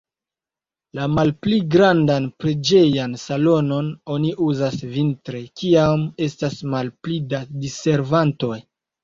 La malpli grandan preĝejan salonon oni uzas vintre, kiam estas malpli da diservantoj.